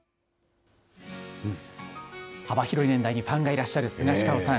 幅広い年代にファンがいらっしゃるスガシカオさん。